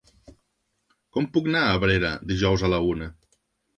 Com puc anar a Abrera dijous a la una?